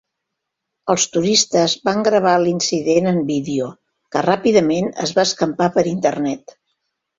Els turistes van gravar l'incident en vídeo, que ràpidament es va escampar per Internet.